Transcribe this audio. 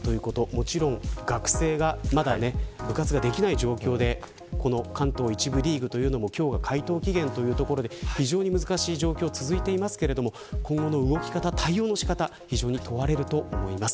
もちろん学生が部活ができない状況で関東１部リーグというのも今日が回答期限というところで非常に難しい状況が続いていますが今後の動き方、対応の仕方が非常に問われると思います。